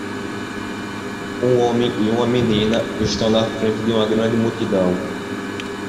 Um homem e uma menina estão na frente de uma grande multidão.